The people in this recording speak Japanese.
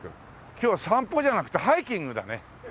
今日は散歩じゃなくてハイキングだね。